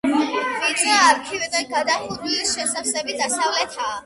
ვიწრო არქიტრავით გადახურული შესასვლელი დასავლეთითაა.